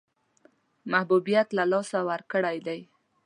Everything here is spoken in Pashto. محبوبیت له لاسه ورکړی دی.